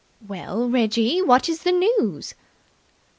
"Well, Reggie, what is the news?"